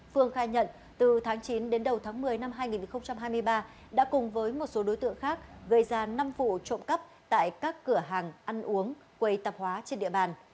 phương khai nhận từ tháng chín đến đầu tháng một mươi năm hai nghìn hai mươi ba đã cùng với một số đối tượng khác gây ra năm vụ trộm cắp tại các cửa hàng ăn uống quầy tạp hóa trên địa bàn